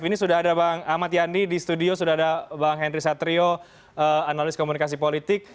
ini sudah ada bang ahmad yani di studio sudah ada bang henry satrio analis komunikasi politik